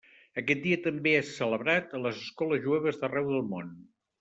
Aquest dia també és celebrat a les escoles jueves d'arreu del món.